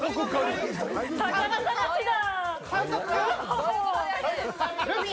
宝探しだ！